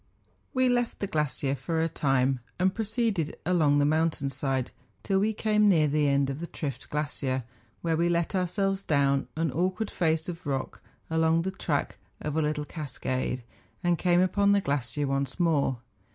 We left the glacier for a time, and proceeded along the mountain side, till we came near the end of the Trift glacier, where we let ourselves down an awkward face of rock along the track of a little cas¬ cade, and came upon the glacier once more.